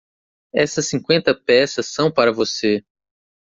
Essas cinquenta peças são para você.